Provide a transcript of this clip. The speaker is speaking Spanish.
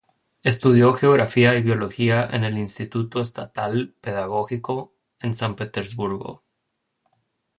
Estudió geografía y biología en "El Instituto Estatal Pedagógico" en San Petersburgo.